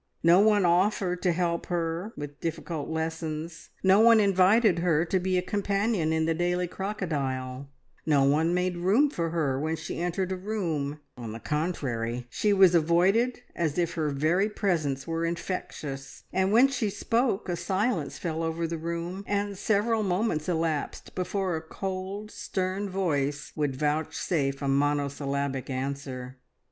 No one offered to help her with difficult lessons; no one invited her to be a companion in the daily crocodile; no one made room for her when she entered a room; on the contrary, she was avoided as if her very presence were infectious, and when she spoke a silence fell over the room, and several moments elapsed before a cold, stern voice would vouchsafe a monosyllabic answer.